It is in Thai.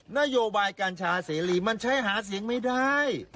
นโยบายกัญชาเสรีมันใช้หาเสียงไม่ได้